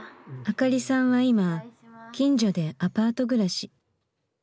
あかりさんは今近所でアパート暮らし。